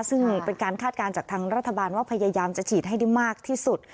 ซึ่งเป็นการคาดการณ์จากทางรัฐบาลว่าพยายามจะฉีดให้ได้มากที่สุด